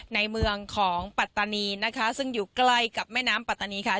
ในเมืองของปัตตานีนะคะซึ่งอยู่ใกล้กับแม่น้ำปัตตานีค่ะ